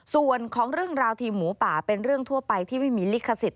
ส่วนของเรื่องราวทีมหมูป่าเป็นเรื่องทั่วไปที่ไม่มีลิขสิทธ